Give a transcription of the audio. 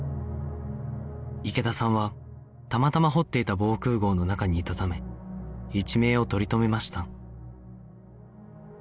池田さんはたまたま掘っていた防空壕の中にいたため一命を取り留めました